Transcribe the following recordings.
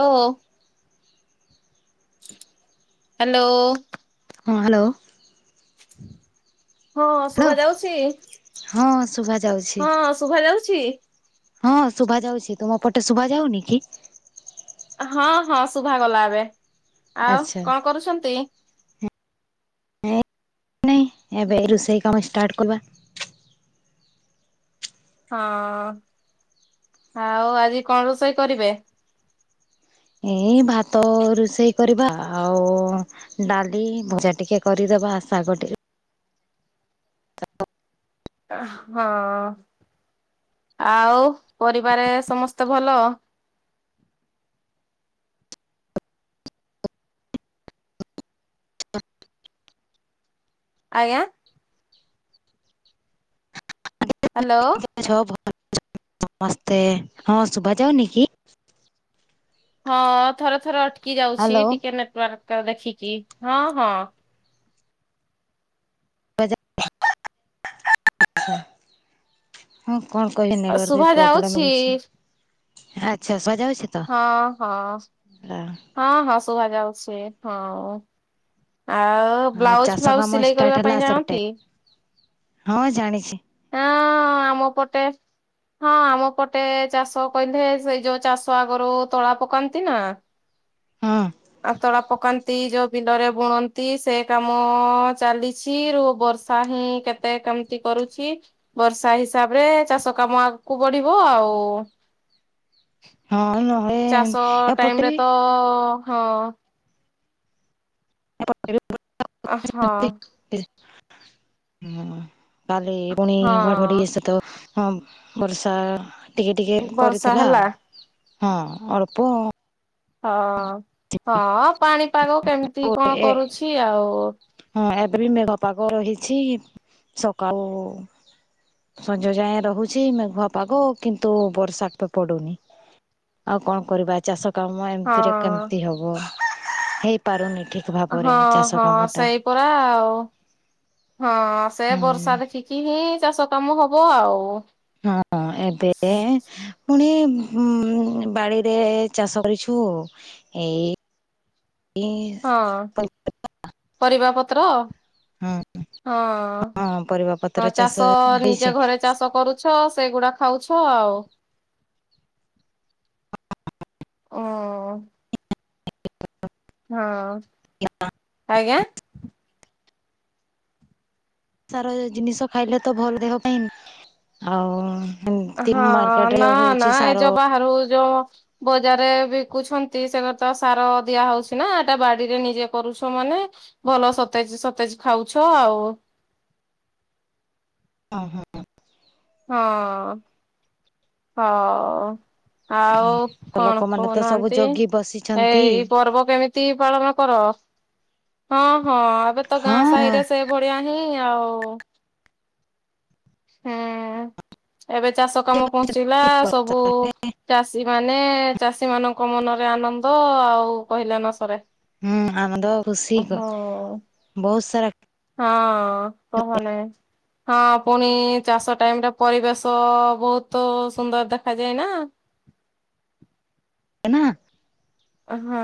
ହଉ, ହଉ । ହାଲୋ ହଁ ହାଲୋ ହଁ ଶୁଭା ଯାଉଛି। ହଁ ଶୁଭା ଯାଉଛି। ହଁ ଶୁଭା ଯାଉଛି। ହଁ ଶୁଭା ଯାଉଛି। ତୁମ ପଟେ ଶୁଭା ଯାଉନି କି? ହଁ ହଁ ଶୁଭା ଗଲା ଏବେ। ଆଉ ଆଚ୍ଛା କଣ କରୁଛନ୍ତି? ନାଇଁ ନାଇଁ ଏବେ ରୋଷେଇ କାମ ଷ୍ଟାର୍ଟ କରିବା । ହଁ ଆଉ ଆଜି କଣ ରୋଷେଇ କରିବେ? ଏଇ ଭାତ ରୋଷେଇ କରିବା ଆଉ ଡାଲି ଭଜା ଟିକେ କରିଦ ବା ଶାଗ ଟିକେ ହଁ। ଆଉ ପରିବାରେ ରେ ସମସ୍ତେ ଭଲ। [inaudible] [inaudible] ଆଜ୍ଞା। ହ୍ୟାଲୋ। [unintelligible] ହଁ ଶୁଭା ଯାଉନି କି? ହଁ ଥରେ ଥରେ ଅଟକି ଯାଉଛି ହ୍ୟାଲୋ ଟିକେ ନେଟୱାର୍କ ତ ଦେଖିକି ହଁ ହଁ। [unintelligible] କଣ କହିବି ନେଟୱର୍କ ପ୍ରୋବ୍ଲେମ ଶୁଭା ଯାଉଛି ହଉଛି ଆଚ୍ଛା ଶୁଭାଯାଉ ହଁ ହଁ ହଁ ହଁ ଶୁଭାଯାଉଛି ହଁ। ଆଉ ହଁ ବ୍ଲାଉଜ ଚାଷ ଫ୍ଲାଉଜ କାମ ସିଲେଇ ଷ୍ଟାର୍ଟ କରିବା ହେଲା ପାଇଁ ସେପଟେ ଜାଣନ୍ତି? ହଁ ଜାଣିଛି। [inaudible] ହଁ ଆମ ପଟେ ହଁ ଆମ ପଟେ ଚାଷ କହିଲେ ସେଇ ଯୋଉ ଚାଷ ଆଗରୁ ତଳା ପକାନ୍ତି ନା। ହଁ ଆ ତଳା ପକାନ୍ତି ଯୋଉ ବିଲରେ ବୁଣନ୍ତି ସେ କାମ ଅ ଚାଲିଛି ରୁ ବର୍ଷା ହିଁ କେତେ କେମିତି କରୁ ଛି ବର୍ଷା ହିସାବରେ ଚାଷ କାମ ଆଗକୁ ବଢିବ ଆଉ। ହଁ। ନହେଲେ ଚାଷ ଏପଟେ ଟାଇମରେ ବି ତ ହଁ। [unintelligible] ଆଁ ହଁ। ବି ହଁ କାଲି ପୁଣି ହଁ ଘଡଘଡି ସହିତ। ହଁ ବର୍ଷା ଟିକେ ଟିକେ ବର୍ଷା କରିଥିଲା। ହେଲା ହଁ ଅଳ୍ପ। ହଁ ହଁ ପାଣିପାଗ କେମିତି କଣ ଏ କରୁଛି ଆଉ। ହଁ ଏବେ ବି ମେଘପାଗ ରହିଛି ସକାଳୁ ସଞ୍ଜ ଯାଏଁ ରହୁଛି ମେଘୁଆ ପାଗ କିନ୍ତୁ ବର୍ଷା ପଡୁନି। ଆଉ କଣ କରିବା ଚାଷ କାମ ଏମିତିରେ ହଁ କେମିତି ହବ ହେଇପାରୁନି। ଠିକ୍ ଭାବରେ ହଁ ଚାଷ ହଁ କାମ। ଟା ସେଇ ପରା ଆଉ ହଁ ସେ ହୁଁ ବର୍ଷା ଦେଖିକି ହିଁ ଚାଷ କାମ ହବ ଆଉ। ହଁ ଏବେ ପୁଣି ହଁ ବାଡ଼ିରେ ଚାଷ କରିଛୁ ଏଇ ହଁ ପରିବା ପତ୍ର। ହଁ ପରିବା ହଁ ପତ୍ର ଚାଷ ନିଜେ ହେଇଛି। ଘରେ ଚାଷ କରୁଛ ସେଗୁଡା ଖାଉଛ ଆଉ। ଉଁ। [inaudible] ହଁ ଆଜ୍ଞା। ସାର ଜିନିଷ ଖାଇଲେ ତ ଭଲ୍ ଦେହ ପାଇଁ ଆଉ ଏମତି ହଁ ମାର୍କେଟ ରେ ନା ହଉଛି ନା ଏଇ ସାର ଯୋଉ ବାହାରୁ ଯୋଉ ବଜାରରେ ବି କୁଛନ୍ତି ସେ ତ ସାର ଦିଆ ହଉଛି ନା ଏଟା ବାଡିରେ ନିଜେ କରୁଛ ମାନେ ଭଲ ସତେଜ ସତେଜ ଖାଉଛ ଆଉ। [inaudible] ଉଁ ହୁଁ। ହଁ ହଁ। ଆଉ କଣ ଲୋକମାନେ ତ ସବୁ କହୁନାହାନ୍ତି ଜଗି ବସିଛନ୍ତି ଏଇଇ ପର୍ବ କେମିତି ପାଳନ କର ହଁ ହଁ ଏବେ ତ ଗାଁ ହଁ ସାହିରେ ସେ ଭଳିଆ ହିଁ। ଆଉ ହୁଁ। ଏବେ ଚାଷ କାମ ପହଞ୍ଚିଲା ହୁଁ ସବୁ ଚାଷୀ ମାନେ ଚାଷୀ ମାନଙ୍କ କ ମନରେ ଆନନ୍ଦ ଆଉ କହିଲାାନସରେ। ହୁଁ ଆମ ତ ଖୁସି କ ବହୁତ ସାରା ହଁ କହଲେ ହଁ ପୁଣି ଚାଷ। ଟାଇମ ଟା ପରିବେଶ ବହୁତ ସୁନ୍ଦର ଦେଖାଯାଏ ନା। ହେନା। ହଁ।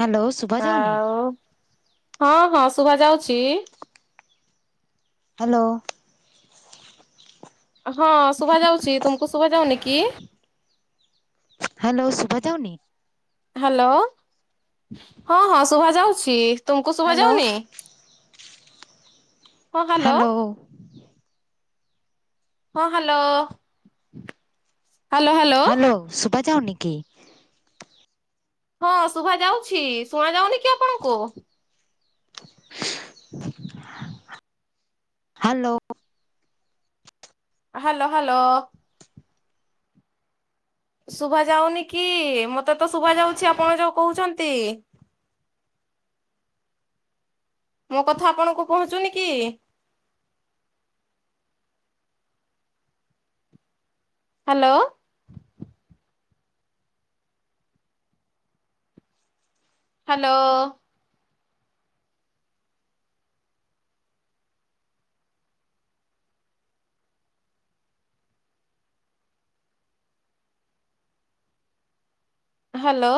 ହ୍ୟାଲୋ ଶୁଭା ଯାଉନି ଆଉ ହଁ ହଁ ଶୁଭ ଯାଉଛି। ହ୍ୟାଲୋ। ହଁ ଶୁଭା ଯାଉଛି। ତୁମକୁ ଶୁଭ ଯାଉନି କି? ହ୍ୟାଲୋ। ସୁୁଭଦାଉନି? ହ୍ୟାଲୋ। ହଁ ହଁ ଶୁଭା ଯାଉଛି। ତୁମକୁ ଶୁଭ ହ୍ୟାଲୋ ଯାଉନି? ହ୍ୟାଲୋ। ହଁ ହ୍ୟାଲୋ ହ୍ୟାଲୋ ହ୍ୟାଲୋ। ବାଜାାଉନକି? ହଁ ଶୁଭା ଯାଉଛି ଶୁଣ ଯାଉନି କି ଆପଣଙ୍କୁ? ହ୍ୟାଲୋ। Hello hello. ଶୁଭା ଯାଉନି କି ମତେ ତ ଶୁଭା ଯାଉଛି ଆପଣ ଯୋଉ କହୁଛନ୍ତି। ଆ ମୋ କଥା ଆପଣଙ୍କୁ ପହୁଚୁନି କି? ହ୍ୟାଲୋ। ହ୍ୟାଲୋ। ହ୍ୟାଲୋ।